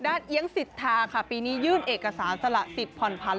เอี๊ยงสิทธาค่ะปีนี้ยื่นเอกสารสละสิทธิผ่อนพันธ